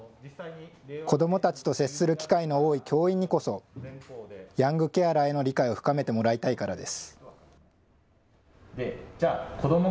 子どもたちと接する機会の多い教員にこそ、ヤングケアラーへの理解を深めてもらいたいからです。